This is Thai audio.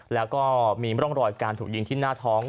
แล้วก็มีร่องรอยการถูกยิงที่หน้าท้อง